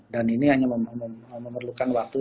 dan ini hanya memerlukan waktu